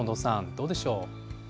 どうでしょう。